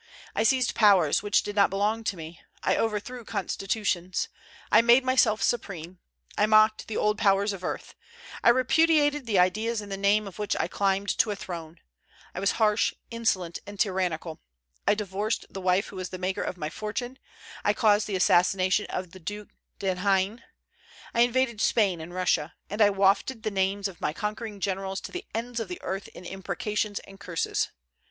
I seized powers which did not belong to me; I overthrew constitutions; I made myself supreme; I mocked the old powers of earth; I repudiated the ideas in the name of which I climbed to a throne; I was harsh, insolent, and tyrannical; I divorced the wife who was the maker of my fortune; I caused the assassination of the Duc d'Enghien; I invaded Spain and Russia; and I wafted the names of my conquering generals to the ends of the earth in imprecations and curses.